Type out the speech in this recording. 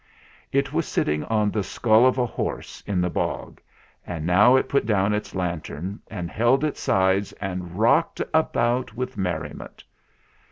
It was sitting on the skull of a horse in the bog, and now it put down its lantern and held its sides and rocked about with merriment.